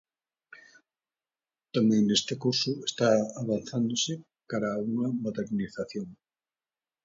Tamén neste curso está avanzándose cara a unha modernización.